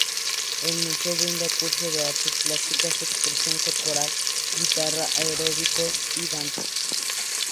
El Museo brinda cursos de artes plásticas, expresión corporal, guitarra, aeróbicos y danzas.